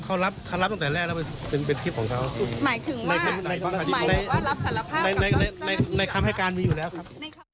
เขารับเขารับตั้งแต่แรกแล้วเป็นเป็นคลิปของเขาหมายถึงว่าหมายถึงว่ารับสารภาพ